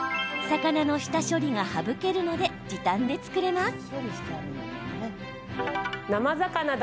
魚の下処理が省けるので時短で作れます。